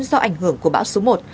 do ảnh hưởng của bão số một